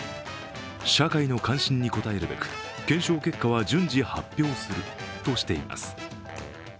社会の関心に応えるべく検証結果は順次発表するとしています。